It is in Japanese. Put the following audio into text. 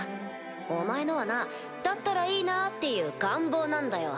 お前のはな「だったらいいな」っていう願望なんだよ。